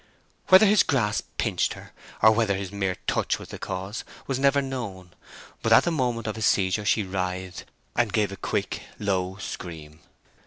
Whether his grasp pinched her, or whether his mere touch was the cause, was never known, but at the moment of his seizure she writhed, and gave a quick, low scream.